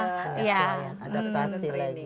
ada asil ada tasi lagi